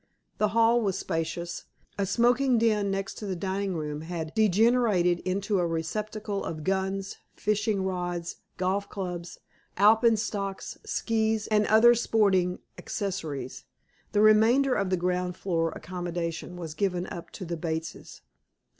The hall was spacious; a smoking den next the dining room had degenerated into a receptacle of guns, fishing rods, golf clubs, Alpenstocks, skis and other such sporting accessories. The remainder of the ground floor accommodation was given up to the Bateses.